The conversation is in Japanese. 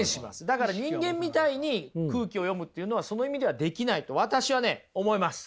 だから人間みたいに空気を読むっていうのはその意味ではできないと私はね思います！